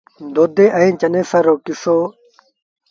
دو دي ائيٚݩ چنيسر رو ڪسو۔